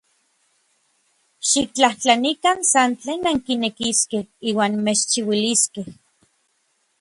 Xiktlajtlanikan san tlen ankinekiskej, iuan mechchiuiliskej.